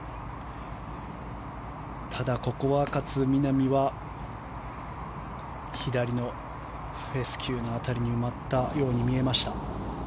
ただ、ここは勝みなみは左のフェスキューの辺りに埋まったように見えました。